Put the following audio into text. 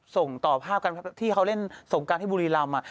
ส่งต่อภาพกันที่เขาเล่นสงการที่บุรีรำ